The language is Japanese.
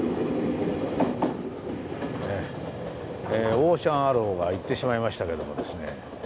オーシャンアローが行ってしまいましたけどもですね。